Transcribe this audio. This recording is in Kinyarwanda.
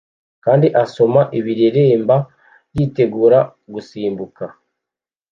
kandi asoma ibireremba yitegura gusimbuka